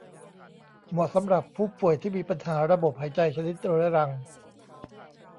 เหมาะสำหรับผู้ป่วยที่มีปัญหาระบบหายใจชนิดเรื้อรัง